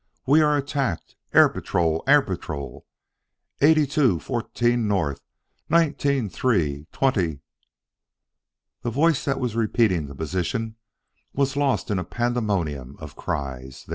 We are attacked! Air Patrol! Air Patrol! Eighty two fourteen north, ninety three twenty " The voice that was repeating the position was lost in a pandemonium of cries.